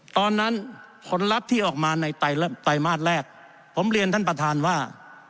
ตอนนั้นผลลัพธ์ที่ออกมาในไตรมาสแรกผมเรียนท่านประธานว่า